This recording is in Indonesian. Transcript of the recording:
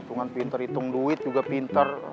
hitungan pinter hitung duit juga pinter